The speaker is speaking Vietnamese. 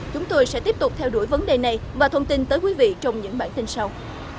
chúng tôi sẽ tiếp tục theo đuổi vấn đề này và thông tin tới quý vị trong những bản tin sau